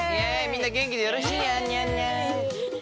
みんな元気でよろしくニャンニャンニャン。